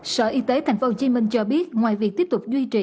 sở y tế tp hcm cho biết ngoài việc tiếp tục duy trì